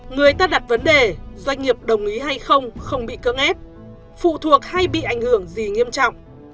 người ta đặt vấn đề doanh nghiệp đồng ý hay không không bị cưỡng ép phụ thuộc hay bị ảnh hưởng gì nghiêm trọng